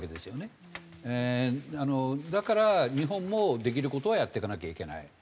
だから日本もできる事はやっていかなきゃいけない。